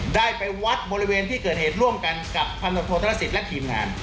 ได้ไปวัดบริเวณที่เกิดเหตุร่วมกันกับพันธบทนสิทธิ์และทีมงาน